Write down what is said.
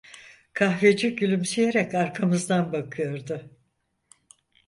Kahveci gülümseyerek arkamızdan bakıyordu.